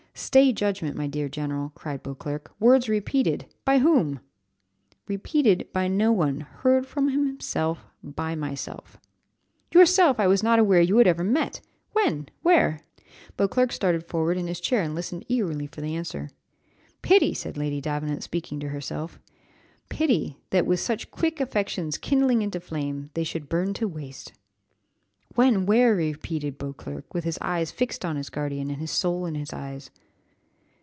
"Stay judgment, my dear general," cried Beauclerc; "words repeated! by whom?" "Repeated by no one heard from himself, by myself." "Yourself! I was not aware you had ever met; when? where?" Beauclerc started forward on his chair, and listened eagerly for the answer. "Pity!" said Lady Davenant, speaking to herself, "pity! that 'with such quick affections kindling into flame,' they should burn to waste." "When, where?" repeated Beauclerc, with his eyes fixed on his guardian, and his soul in his eyes.